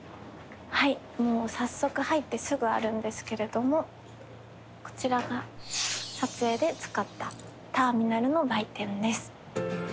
はいもう早速入ってすぐあるんですけれどもこちらが撮影で使ったターミナルの売店です。